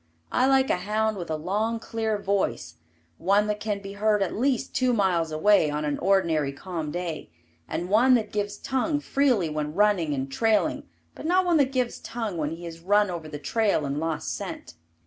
I like a hound with a long clear voice one that can be heard at least two miles away on an ordinary calm day and one that gives tongue freely when running and trailing but not one that gives tongue when he has run over the trail and lost scent.